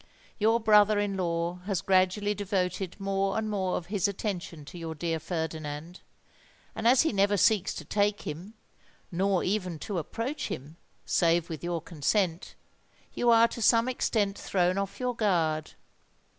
"Your brother in law has gradually devoted more and more of his attention to your dear Ferdinand; and as he never seeks to take him—nor even to approach him—save with your consent, you are to some extent thrown off your guard.